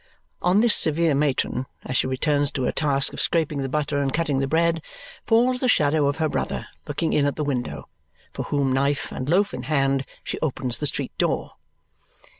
On this severe matron, as she returns to her task of scraping the butter and cutting the bread, falls the shadow of her brother, looking in at the window. For whom, knife and loaf in hand, she opens the street door.